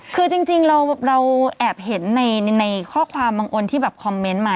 คือจริงเราแอบเห็นในข้อความบางคนที่แบบคอมเมนต์มา